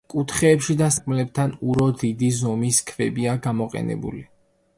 კუთხეებში და სარკმლებთან ურო დიდი ზომის ქვებია გამოყენებული.